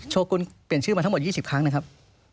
โกกุลเปลี่ยนชื่อมาทั้งหมด๒๐ครั้งนะครับ